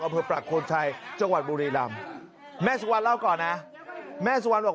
อำเภอประโคนชัยจังหวัดบุรีรำแม่สุวรรณเล่าก่อนนะแม่สุวรรณบอก